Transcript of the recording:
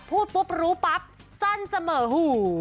พูดปุ๊บรู้ปั๊บสั้นเสมอหู